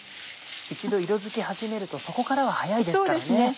一度色づき始めるとそこからは速いですからね。